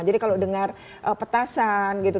jadi kalau dengar petasan gitu